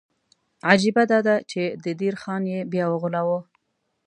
عجیبه دا ده چې د دیر خان یې بیا وغولاوه.